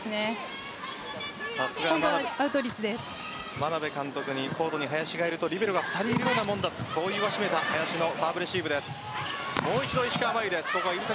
眞鍋監督に、林がいるとリベロが２人いるようだと言わしめた林のサーブレシーブです。